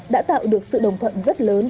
đã tạo được sự đồng thuận rất lớn